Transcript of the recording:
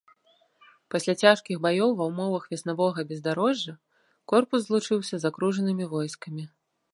Пасля цяжкіх баёў ва ўмовах веснавога бездарожжа корпус злучыўся з акружанымі войскамі.